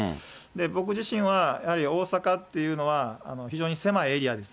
僕自身は、やはり大阪というのは、非常に狭いエリアです。